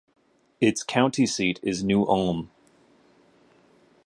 Its county seat is New Ulm.